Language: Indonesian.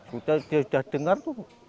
sudah dia sudah dengar